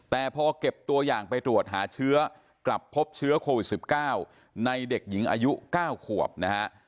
แต่พอเก็บตัวอย่างไปตรวจหาเชื้อกลับพบเชื้อโควิด๑๙ในเด็กหญิงอายุ๙ขวบนะฮะ